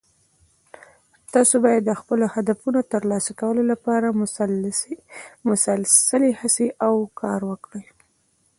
تاسو باید د خپلو هدفونو د ترلاسه کولو لپاره مسلسلي هڅې او کار وکړئ